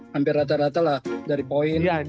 hampir rata rata lah dari poin